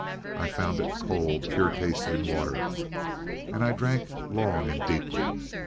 I found it cold, pure tasting water, and I drank long and deeply.